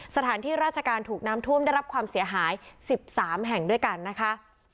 สถานที่ราชการถูกน้ำท่วมได้รับความเสียหาย๑๓แห่งด้วยกันนะคะ